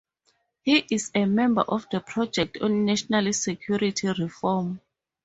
He is a member of the Project on National Security Reform.